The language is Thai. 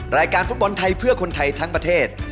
รายการฟุตบอลไทยเพื่อคนไทยทั้งประเทศ